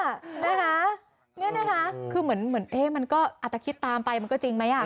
นี่นะคะคือเหมือนเอ๊ะมันก็อาจจะคิดตามไปมันก็จริงไหมอ่ะ